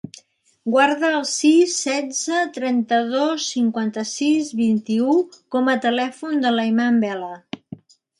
Guarda el sis, setze, trenta-dos, cinquanta-sis, vint-i-u com a telèfon de l'Ayman Vela.